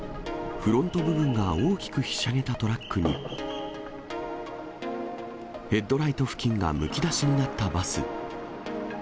フロント部分が大きくひしゃげたトラックに、ヘッドライト付近がむき出しになったバス。